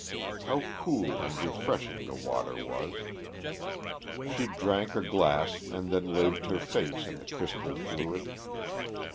How cool and refreshing the water was! She drank a glass and then laved her face in the crystal fluid.